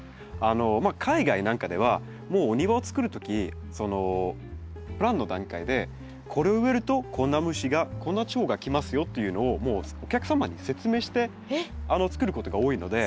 海外なんかではもうお庭を作る時そのプランの段階でこれを植えるとこんな虫がこんなチョウが来ますよっていうのをもうお客様に説明して作ることが多いので。